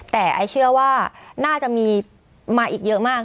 แต่ไอ้เชื่อว่าน่าจะมีมาอีกเยอะมาก